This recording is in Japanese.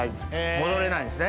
戻れないんですね。